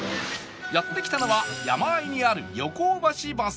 やって来たのは山あいにある横尾橋バス停